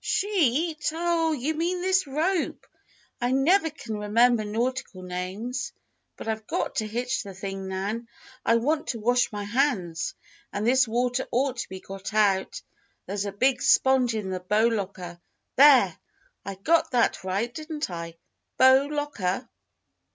"'Sheet'? Oh! you mean this rope. I never can remember nautical names. But I've got to hitch the thing, Nan. I want to wash my hands. And this water ought to be got out. There's a big sponge in the bow locker. There! I got that right, didn't I? 'Bow locker.'"